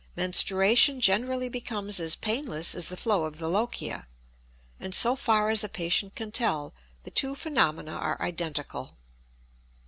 Menstruation generally becomes as painless as the flow of the lochia; and so far as a patient can tell the two phenomena are identical.